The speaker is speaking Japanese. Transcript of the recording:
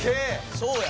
そうや。